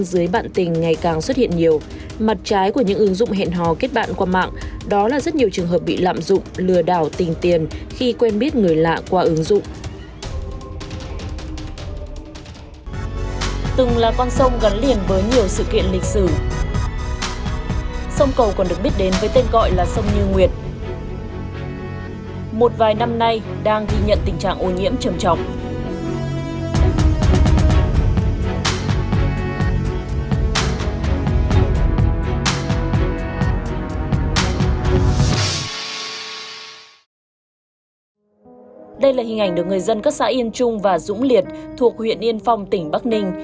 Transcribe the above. đây là hình ảnh được người dân các xã yên trung và dũng liệt thuộc huyện yên phong tỉnh bắc ninh